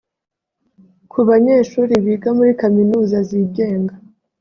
Ku banyeshuri biga muri kaminuza zigenga